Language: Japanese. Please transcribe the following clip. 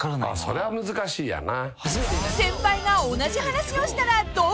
それは難しいよな。